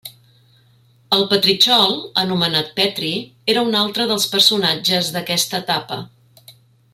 El Petritxol, anomenat Petri, era un altre dels personatges d'aquesta etapa.